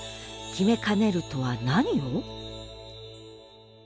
「決めかねる」とは何を？